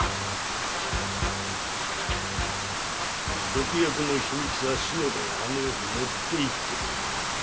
毒薬の秘密は篠田があの世に持っていってくれた。